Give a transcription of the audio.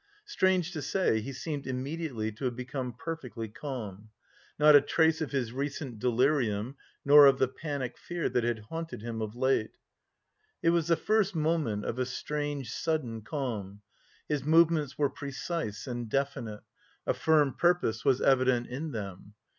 Strange to say, he seemed immediately to have become perfectly calm; not a trace of his recent delirium nor of the panic fear that had haunted him of late. It was the first moment of a strange sudden calm. His movements were precise and definite; a firm purpose was evident in them.